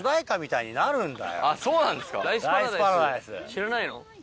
知らないの？